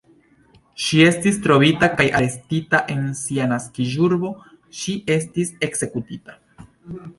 Ŝi estis trovita kaj arestita, en sia naskiĝurbo ŝi estis ekzekutita.